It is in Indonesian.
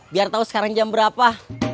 biar tahu sekarang jam berapa